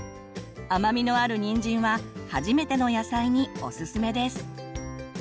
甘みのあるにんじんは初めての野菜におすすめです。